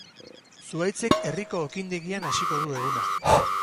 Zuhaitzek herriko okindegian hasiko du eguna.